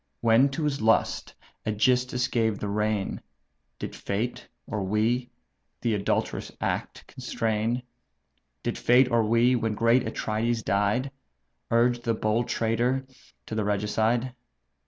When to his lust AEgysthus gave the rein, Did fate, or we, the adulterous act constrain? Did fate, or we, when great Atrides died, Urge the bold traitor to the regicide?